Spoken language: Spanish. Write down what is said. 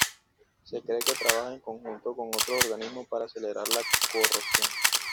Se cree que trabaja en conjunto con otros organismos para acelerar la corrosión.